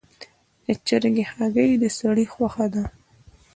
د چرګې هګۍ د سړي خوښه ده.